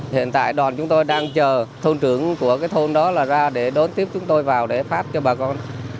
hiện tại đoàn chúng tôi đang chờ thôn trưởng của cái thôn đó là ra để đón tiếp chúng tôi vào để phát cho bà con